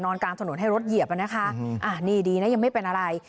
กลางถนนให้รถเหยียบอ่ะนะคะนี่ดีนะยังไม่เป็นอะไร